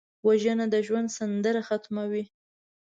وژنه د ژوند سندره ختموي